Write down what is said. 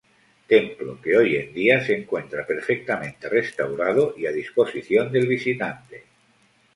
Templo que, hoy en día, se encuentra perfectamente restaurado y a disposición del visitante.